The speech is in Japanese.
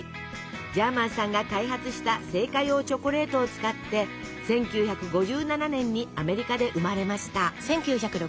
ジャーマンさんが開発した製菓用チョコレートを使って１９５７年にアメリカで生まれました。